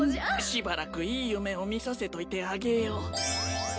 しばらくいい夢を見させといてあげよう。